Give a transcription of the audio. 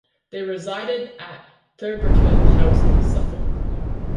They resided at Theberton House, Suffolk.